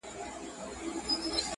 وجدان ورو ورو مري دننه تل,